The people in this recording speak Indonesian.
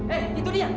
eh itu dia